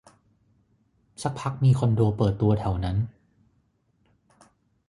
สักพักมีคอนโดเปิดตัวแถวนั้น